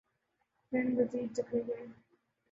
ذہن مزید جکڑے گئے۔